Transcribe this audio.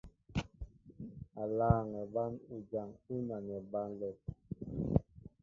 U lâŋɛ bán ujaŋ ú nanɛ ba alɛm.